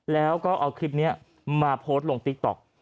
แล้วก็เอาคลิปนี้มาโพสต์ลงติ๊กต๊อก